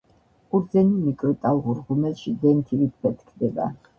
ყურძენი მიკროტალღურ ღუმელში დენთივით ფეთქდება